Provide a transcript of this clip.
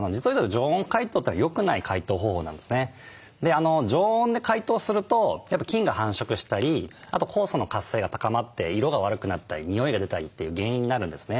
常温で解凍するとやっぱ菌が繁殖したりあと酵素の活性が高まって色が悪くなったり臭いが出たりという原因になるんですね。